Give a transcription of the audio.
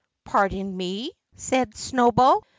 "Pardon me!" said Snowball.